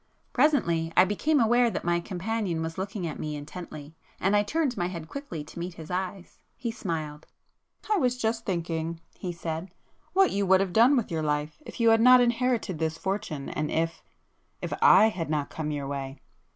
Presently I became aware that my companion was looking at me intently, and I turned my head quickly to meet his eyes. He smiled. "I was just then thinking," he said, "what you would have done with your life if you had not inherited this fortune, and if,—if I had not come your way?"